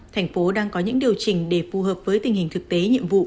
thành phố đang có những điều chỉnh để phù hợp với tình hình thực tế nhiệm vụ